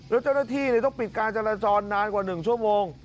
แล้วเจ้าหน้าที่เลยต้องปิดการจรรย์จรนานกว่าหนึ่งชั่วโมง